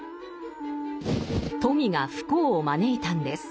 富が不幸を招いたんです。